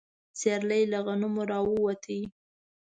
سيرلي له غنمو راووت.